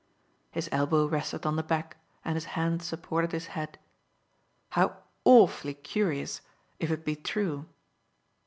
His elbow rested on the back and his hand supported his head. "How awfully curious if it be true!"